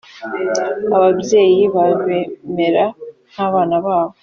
ababyeyi babemera nk abana babo